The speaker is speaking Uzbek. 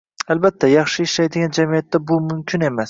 Albatta, yaxshi ishlaydigan jamiyatda bu mumkin emas